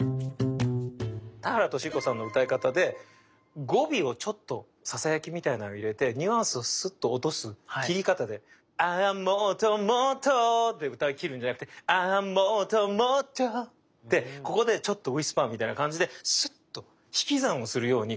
田原俊彦さんの歌い方で語尾をちょっとささやきみたいなのを入れてニュアンスをスッと落とす切り方でアァもっともっとで歌いきるんじゃなくてアァもっともっとでここでちょっとウィスパーみたいな感じでスッと引き算をするように言葉を引く。